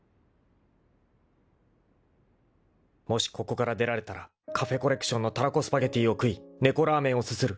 ［もしここから出られたらカフェコレクションのたらこスパゲティを食い猫ラーメンをすする］